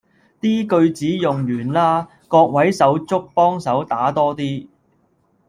啲句子用完啦，各位手足幫手打多啲